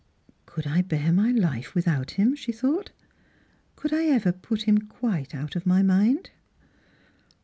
"Could I bear my hfe without him?" she thought; " could I ever jjut him quite out of my mind